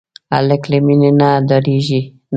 هلک له مینې نه ډاریږي نه.